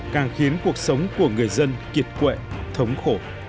càng khiến cuộc sống của người dân kiệt quệ thống khổ